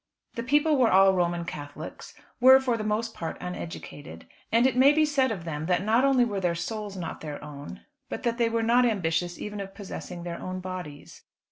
The people were all Roman Catholics, were for the most part uneducated, and it may be said of them that not only were their souls not their own, but that they were not ambitious even of possessing their own bodies.